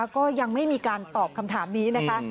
ก็ยังไม่มีการตอบคำถามนี้นะคะ